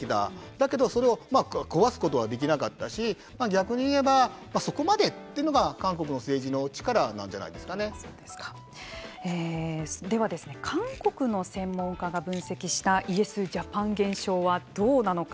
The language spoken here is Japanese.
だけど、それを壊すことはできなかったし逆に言えばそこまでというのが韓国のではですね韓国の専門家が分析したイエスジャパン現象はどうなのか。